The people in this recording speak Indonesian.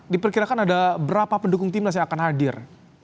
diperkirakan ada berapa pendukung timnas yang akan hadir